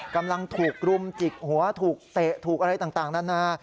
กำลังถูกรุมจิกหัวถูกเตะถูกอะไรต่างนานา